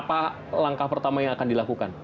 apa langkah pertama yang akan dilakukan